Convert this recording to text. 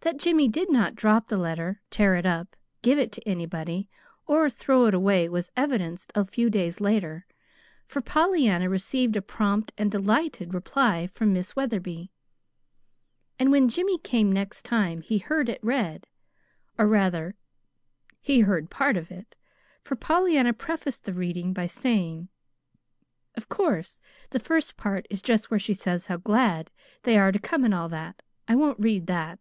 That Jimmy did not drop the letter, tear it up, give it to anybody, or throw it away was evidenced a few days later, for Pollyanna received a prompt and delighted reply from Miss Wetherby; and when Jimmy came next time he heard it read or rather he heard part of it, for Pollyanna prefaced the reading by saying: "Of course the first part is just where she says how glad they are to come, and all that. I won't read that.